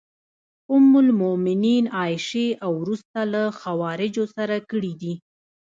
ام المومنین عایشې او وروسته له خوارجو سره کړي دي.